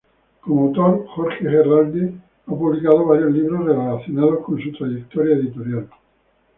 Como autor, Jorge Herralde ha publicado varios libros relacionados con su trayectoria editorial.